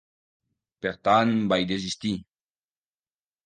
Per tant, vaig desistir.